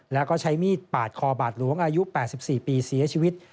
แล้วก็ใช้มีดปาดคอบาดหลวงอายุ๘๔ปีเสียชีวิต